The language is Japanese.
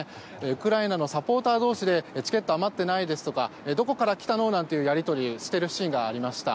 ウクライナのサポーター同士でチケットが余ってないですかとかどこから来たの？なんてやり取りをしているシーンがありました。